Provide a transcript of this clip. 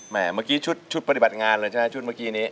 เมื่อกี้ชุดปฏิบัติงานเลยใช่ไหมชุดเมื่อกี้นี้